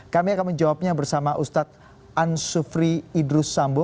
kami akan menjawabnya bersama ustadz ansufri idrus sambo